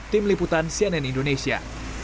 tim liputan cnn indonesia